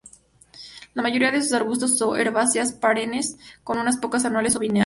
La mayoría son arbustos o herbáceas perennes, con unas pocas anuales o bienales.